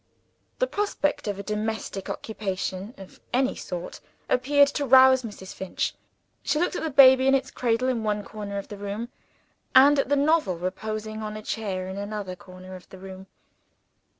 The prospect of a domestic occupation (of any sort) appeared to rouse Mrs. Finch. She looked at the baby, in its cradle in one corner of the room, and at the novel, reposing on a chair in another corner of the room.